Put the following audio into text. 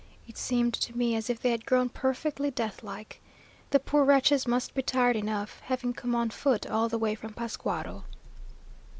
It seemed to me as if they had grown perfectly deathlike. The poor wretches must be tired enough, having come on foot all the way from Pascuaro.